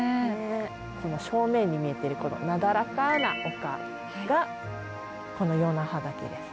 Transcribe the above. この正面に見えてるこのなだらかな丘がこの与那覇岳です。